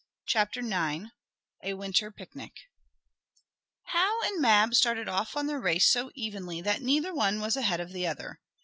CHAPTER IX A WINTER PIC NIC Hal and Mab started off on their race so evenly that neither one was ahead of the other.